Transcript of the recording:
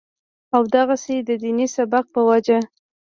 او دغسې د ديني سبق پۀ وجه